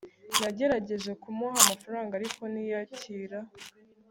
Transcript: Nagerageje kumuha amafaranga ariko ntiyakira